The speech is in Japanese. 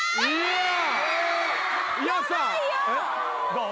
どう？